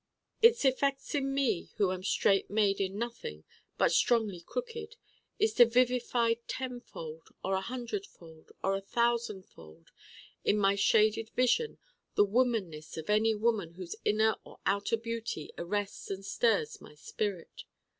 Its effects in me who am straight made in nothing, but strongly crooked, is to vivify tenfold or a hundredfold or a thousandfold in my shaded vision the womanness of any woman whose inner or outer beauty arrests and stirs my spirit.